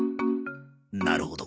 なるほど。